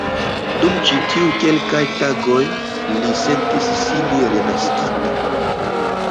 Dum ĉi tiuj kelkaj tagoj li sentis sin renaskita.